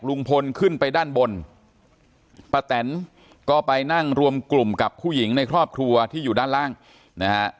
ลุงพลขึ้นไปด้านบนป้าแตนก็ไปนั่งรวมกลุ่มกับผู้หญิงในครอบครัวที่อยู่ด้านล่างนะฮะ